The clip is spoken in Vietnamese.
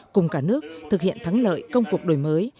cùng cả nước thực hiện thắng lợi công cuộc đổi mới